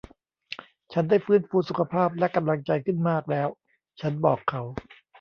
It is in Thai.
ฉันได้ฟื้นฟูสุขภาพและกำลังใจขึ้นมากแล้ว ฉันบอกเขา